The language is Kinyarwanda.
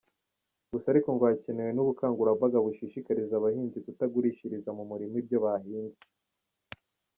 Gusa ariko ngo hakenewe n’ubukangurambaga bushishikariza abahinzi kutagurishiriza mu murima ibyo bahinze.